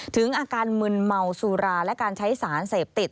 ถึงอาการมึนเมาสุราและการใช้สารเสพติด